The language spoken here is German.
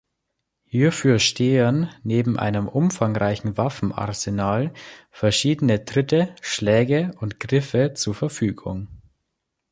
Hierfür stehen neben einem umfangreichen Waffenarsenal verschiedene Tritte, Schläge und Griffe zur Verfügung.